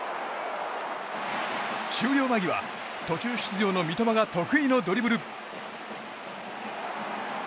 終了間際、途中出場の三笘が得意のドリブル。